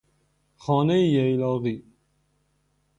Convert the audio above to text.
خانهٔ ییلاقی